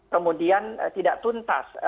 kemudian tidak tuntas